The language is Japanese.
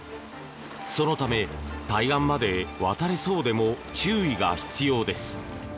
そのため、対岸まで渡れそうでも注意が必要です。